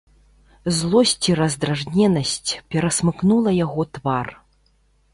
Злосць і раздражненасць перасмыкнула яго твар.